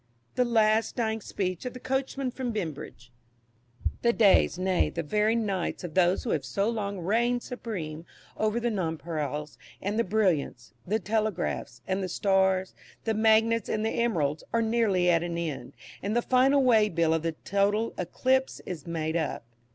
THE LAST DYING SPEECH OF THE COACHMEN FROM BEAM BRIDGE. The days, nay, the very nights of those who have so long "reined" supreme over the "Nonpareils" and the "Brilliants," the "Telegraphs" and the "Stars," the "Magnets" and the "Emeralds," are nearly at an end, and the final way bill of the total "Eclipse" is made up.